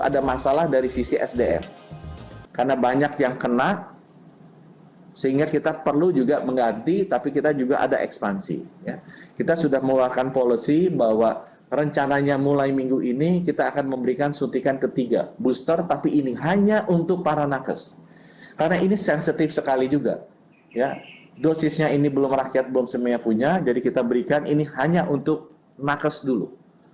dosisnya ini belum rakyat bom semia punya jadi kita berikan ini hanya untuk nakes dulu